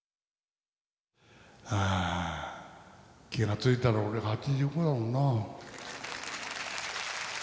ああ気が付いたら俺８５だもんな。